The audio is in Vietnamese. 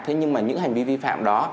thế nhưng mà những hành vi vi phạm đó